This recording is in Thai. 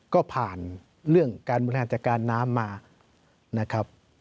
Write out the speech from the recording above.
ก็ผ่านเรื่องการบริหารจัดการน้ำมานะครับ